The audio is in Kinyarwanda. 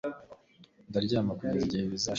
ndaryama kugeza igihe bizashirira. ..